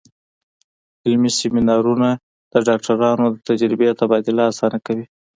علمي سیمینارونه د ډاکټرانو د تجربې تبادله اسانه کوي.